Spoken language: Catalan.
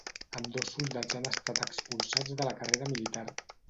Ambdós soldats han estat expulsats de la carrera militar.